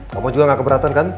ngomong juga gak keberatan kan